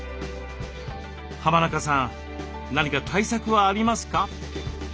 浜中さん何か対策はありますか？